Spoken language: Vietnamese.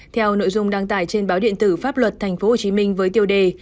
theo nội dung đăng tải trên báo điện tử pháp luật tp hcm với tiêu đề